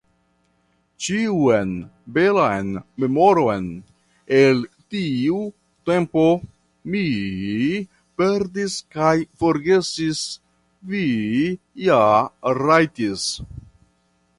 Ĉiun belan memoron el tiu tempo mi perdis kaj forgesis vi ja rajtis.